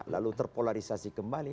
lalu terpolarisasi kembali